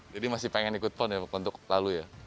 jadi masih pengen ikut pon ya untuk lalu ya